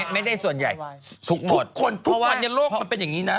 ส่วนใหญ่ทุกคนทุกวันในโลกมันเป็นอย่างนี้นะ